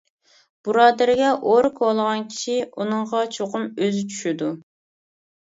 بۇرادىرىگە ئورا كولىغان كىشى ئۇنىڭغا چوقۇم ئۆزى چۈشىدۇ.